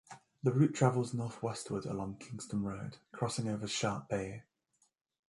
The route travels northwestward along Kingston Road, crossing over Sharp Bayou.